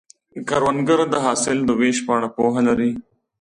کروندګر د حاصل د ویش په اړه پوهه لري